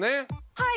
はい。